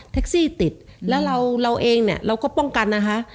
ซี่ติดแล้วเราเองเนี่ยเราก็ป้องกันนะคะ